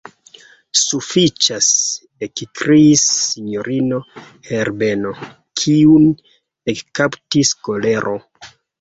Sufiĉas, ekkriis sinjorino Herbeno, kiun ekkaptis kolero.